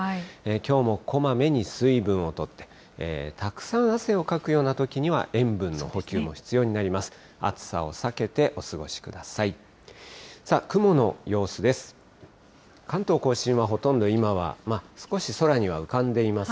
きょうもこまめに水分をとって、たくさん汗をかくようなときには、塩分の補給も必要になります。